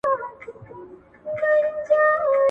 پلار باید د لور غوښتنې او احساسات په پوره غور او دقت سره واوري.